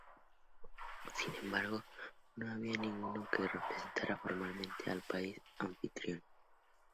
Sin embargo, no había ninguno que representara formalmente al país anfitrión.